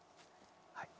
はい。